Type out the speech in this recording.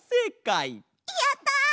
やった！